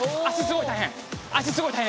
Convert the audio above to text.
足すごい大変。